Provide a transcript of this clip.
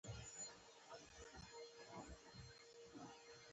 دا زموږ کور دی؟